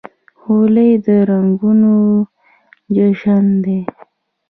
هولي د رنګونو جشن دی.